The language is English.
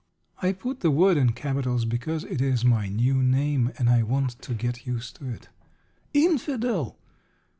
I put the word in capitals, because it is my new name, and I want to get used to it. INFIDEL!